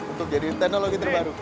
untuk jadi teknologi terbaru